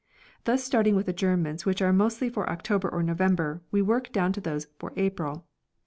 Thus starting with adjournments which are mostly for October or November we work down to those for April.